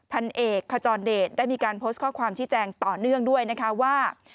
พันเอกขจรเดชได้มีการโพสต์ข้อความชี้แจงต่อเนื่องด้วยนะคะว่า